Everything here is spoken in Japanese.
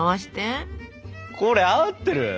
これ合ってる？